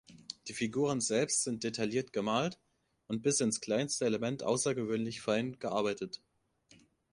Die Figuren selbst sind detailliert gemalt und bis ins kleinste Element außergewöhnlich fein gearbeitet.